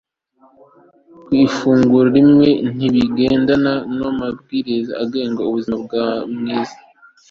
ku ifunguro rimwe ntibigendana namabwiriza agenga ubuzima bwiza